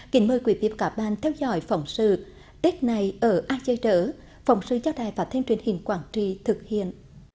kỷ mời quý vị và cả ban theo dõi phỏng sự tết này ở a dơi đỡ phỏng sự trao đài và thêm truyền hình quảng trì thực hiện